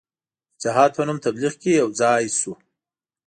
د جهاد په نوم تبلیغ کې یو ځای سو.